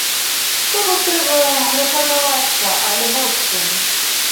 То бок, трэба рэфармавацца, але моўчкі.